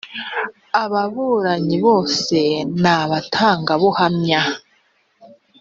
ababuranyi bose n abatangabuhamya